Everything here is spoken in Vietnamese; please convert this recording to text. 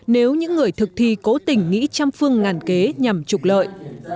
nếu những người thực thi cố tình nghĩ trăm phương ngàn kế nhằm trục lợi